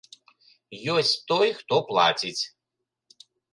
Ёсць той, хто плаціць.